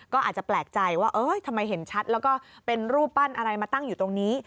ก็อาจจะแปลกใจว่าทำไมเห็นชัดแล้วก็เป็นรูปปั้นอะไรมาตั้งอยู่ตรงนี้